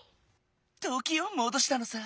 ときをもどしたのさ！